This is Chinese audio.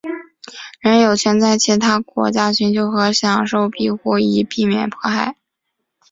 人人有权在其他国家寻求和享受庇护以避免迫害。